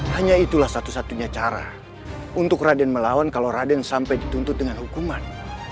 hanya itulah satu satunya cara untuk raden melawan kalau raden sampai dituntut dengan hukuman